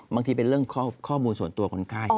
เป็นเรื่องข้อมูลส่วนตัวคนไข้